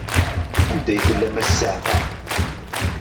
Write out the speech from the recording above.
Anda ay tellam a ssiɛqa?